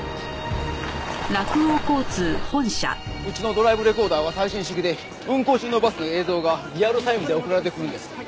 うちのドライブレコーダーは最新式で運行中のバスの映像がリアルタイムで送られてくるんです。